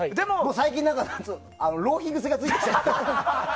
最近、浪費癖がついてきちゃって。